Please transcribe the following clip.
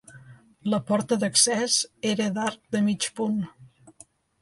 La porta d'accés era d'arc de mig punt.